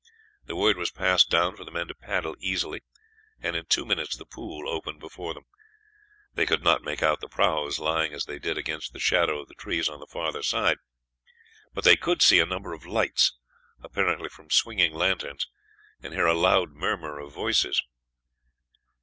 The word was passed down for the men to paddle easily, and in two minutes the pool opened before them. They could not make out the prahus, lying as they did against the shadow of the trees on the farther side, but they could see a number of lights, apparently from swinging lanterns, and hear a loud murmur of voices.